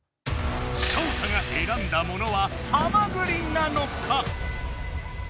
ショウタがえらんだものはハマグリなのか？